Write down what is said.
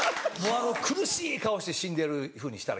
苦しい顔して死んでるふうにしたら？